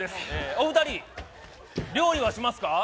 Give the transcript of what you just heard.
お二人料理はしますか？